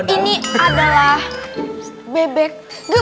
ini adalah bebek